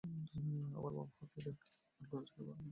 আবার বাম হাত ওপরে রেখে ডান হাত দিয়ে ধরার চেষ্টা করুন।